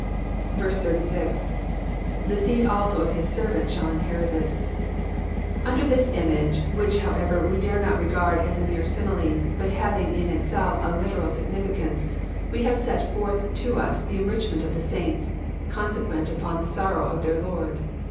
86. ^^The seed also of his servants shaU inherit ity Under this image, which, however, we dare not regard as a mere simile, but as having in itself a literal significance, we have set forth to us the enrichment of the saints, consequent upon the sorrow of their Lord.